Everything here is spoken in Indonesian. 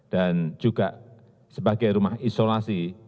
dan juga sebagai rumah isolasi